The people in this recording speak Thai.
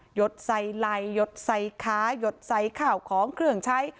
ดใส่ไลหยดใส่ค้าหยดใส่ข่าวของเครื่องใช้